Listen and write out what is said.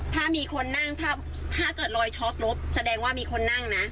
ถ้ามีคนนั่งถ้าเกิดรอยช็อตลบแสดงว่ามีคนนั่งนะ